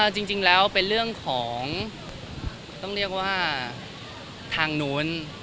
จริงแล้วเป็นเรื่องของต้องเรียกว่าทางนู้น